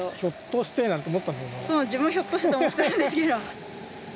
そう自分もひょっとしてって思ってたんですけど。